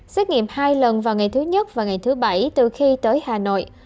xét nghiệm hai lần vào ngày thứ nhất và ngày thứ bảy từ khi tới hà nội